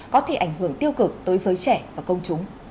có thể ảnh hưởng tiêu cực tới giới trẻ và công chúng